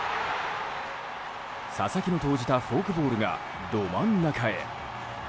佐々木の投じたフォークボールがど真ん中へ。